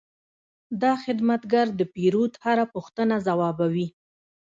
دا خدمتګر د پیرود هره پوښتنه ځوابوي.